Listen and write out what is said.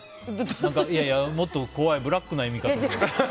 もっと怖いブラックな意味かと。